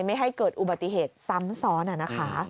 ไม่ให้เกิดอุบัติเหตุซ้ำซ้อนนะคะ